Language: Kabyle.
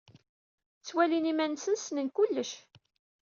Ttwalin iman-nsen ssnen kullec.